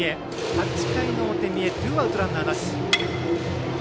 ８回の表、三重ツーアウト、ランナーなし。